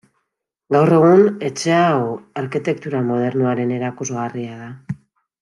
Gaur egun, etxe hau arkitektura modernoaren erakusgarria da.